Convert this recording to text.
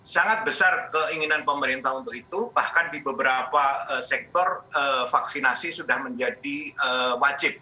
sangat besar keinginan pemerintah untuk itu bahkan di beberapa sektor vaksinasi sudah menjadi wajib